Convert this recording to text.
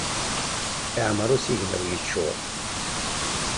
Iɛemmer usigna-w, yeččur.